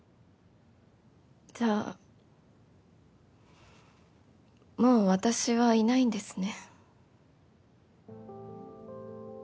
じゃあもう私はいないんですね。